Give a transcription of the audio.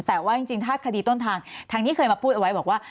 แต่ว่าถ้าคดีต้นทางทางนี้เคยมาพูดไว้ว่า